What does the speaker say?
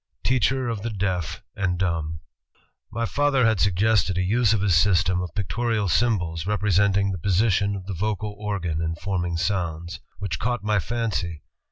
Teacher of the Deaf and Dumb "My father had suggested a use of his system of pic torial symbols representing the position of the vocal organ in forming sounds ... which caught my fancy.